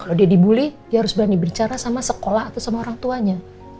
kalau dia di bully dia harus berani berbicara sama sekolah atau sama orang tuanya